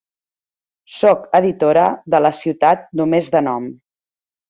Soc editora de la ciutat només de nom.